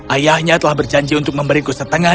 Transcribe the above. ayahnya telah berjanji untuk memberiku setengah